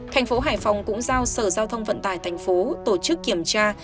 thành phố hải phòng cũng giao sở giao thông vận tải thành phố tổ chức kiểm tra